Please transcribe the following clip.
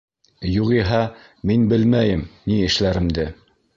Юғиһә, мин белмәйем ни эшләремде!